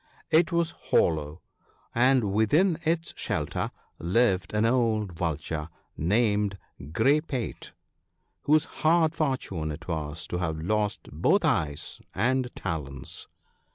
It was hollow, and within its shelter lived an old Vulture, named Grey pate, whose hard fortune it was to have lost both eyes and talons.